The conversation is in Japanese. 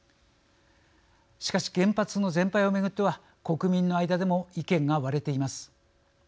しかし、原発の全廃を巡っては国民の間でも意見が割れています。